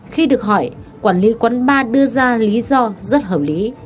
khi được hỏi quản lý quán bar đưa ra lý do rất hợp lý